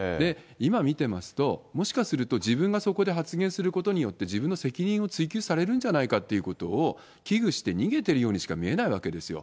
今見てますと、もしかすると、自分がそこで発言することによって、自分の責任を追及されるんじゃないかということを危惧して逃げてるようにしか見えないわけですよ。